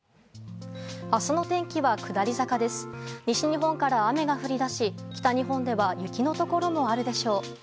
西日本から雨が降り出し北日本では雪のところもあるでしょう。